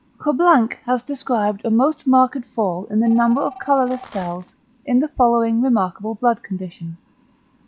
Koblanck has described a most marked fall in the number of the colourless cells, in the following remarkable blood condition.